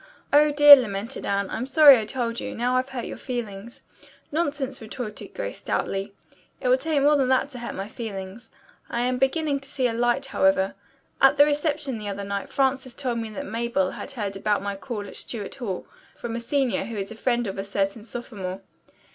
"Oh, dear!" lamented Anne. "I'm sorry I told you. Now I've hurt your feelings." "Nonsense!" retorted Grace stoutly. "It will take more than that to hurt my feelings. I am beginning to see a light, however. At the reception the other night Frances told me that Mabel had heard about my call at Stuart Hall from a senior who is a friend of a certain sophomore.